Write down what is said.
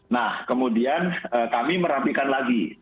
nah kemudian kami merapikan lagi